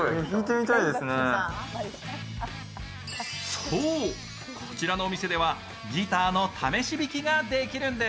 そう、こちらのお店ではギターの試し弾きができるんです。